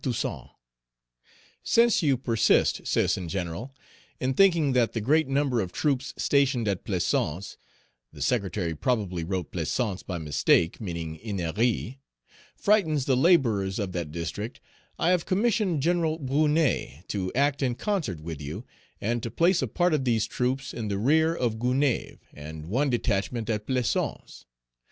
TOUSSAINT: "Since you persist, Citizen General, in thinking that the great number of troops stationed at Plaisance (the Secretary probably wrote Plaisance by mistake, meaning Ennery) frightens the laborers of that district, I have commissioned Gen. Brunet to act in concert with you, and to place a part of these troops in the rear of Gonaïves and one detachment at Plaisance.